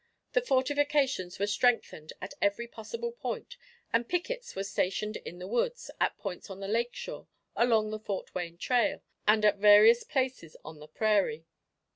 The fortifications were strengthened at every possible point and pickets were stationed in the woods, at points on the lake shore, along the Fort Wayne trail, and at various places on the prairie.